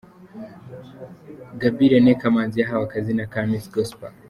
Gaby Irene Kamanzi yahawe akazina ka 'Miss Gospel'.